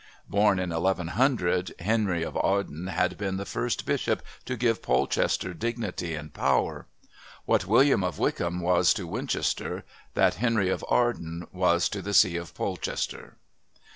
Born in 1100, Henry of Arden had been the first Bishop to give Polchester dignity and power. What William of Wykeham was to Winchester, that Henry of Arden was to the See of Polchester.